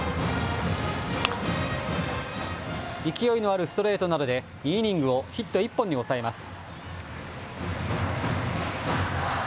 勢いのあるストレートなどで２イニングをヒット１本に抑えます。